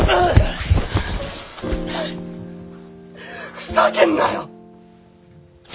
ふざけんなよ！